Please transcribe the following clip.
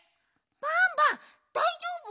バンバンだいじょうぶ？